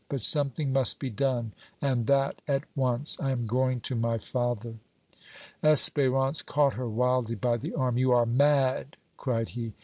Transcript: But something must be done and that at once. I am going to my father!" Espérance caught her wildly by the arm. "You are mad!" cried he.